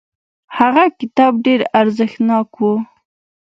هغه کتاب ډیر ارزښتناک و.